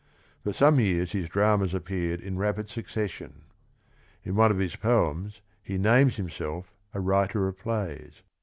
For some years his dramas appeared in rapid succession. In one of his poems, he names himself a "writer of plays."